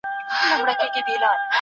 د سړي په فکر کې د هغې راتلونکی مهم و.